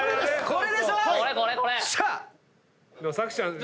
これでしょ